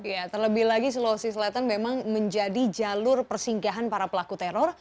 ya terlebih lagi sulawesi selatan memang menjadi jalur persinggahan para pelaku teror